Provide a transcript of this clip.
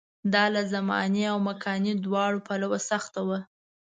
دا له زماني او مکاني دواړو پلوه سخته وه.